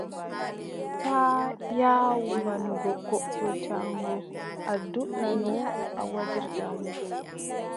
Taa yaawu manugo goɗɗo jaŋgo a dulla no a wajirta mo.